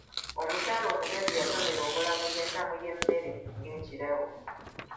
Omukyala omugezi yatonera omulamuzi entamu y'emmere ng'ekirabo.